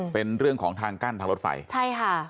เป็นเรื่องของทางกั้นทางรถไฟใช่ค่ะ